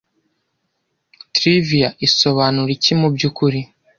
Trivia isobanura iki mubyukuri